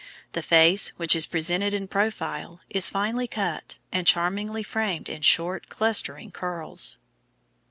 The face, which is presented in profile, is finely cut, and charmingly framed in short, clustering curls.